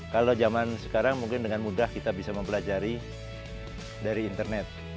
kalau zaman sekarang mungkin dengan mudah kita bisa mempelajari dari internet